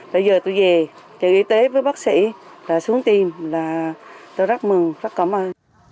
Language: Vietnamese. bây giờ tôi về cho y tế với bác sĩ xuống tiêm là tôi rất mừng rất cảm ơn